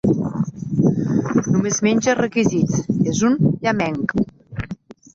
Només menja requisits: és un llamenc.